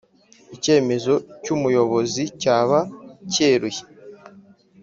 Icyemezo cy umuyobozi cyaba cyeruye